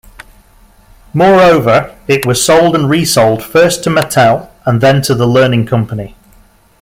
Moreover, it was sold and re-sold first to Mattel, then to The Learning Company.